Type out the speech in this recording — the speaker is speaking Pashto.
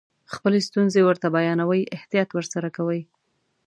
خپلې ستونزې ورته بیانوئ احتیاط ورسره کوئ.